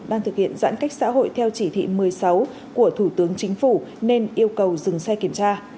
đang thực hiện giãn cách xã hội theo chỉ thị một mươi sáu của thủ tướng chính phủ nên yêu cầu dừng xe kiểm tra